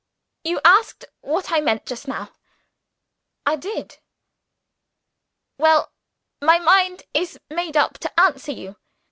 "You asked what I meant, just now." "I did." "Well, my mind is made up to answer you.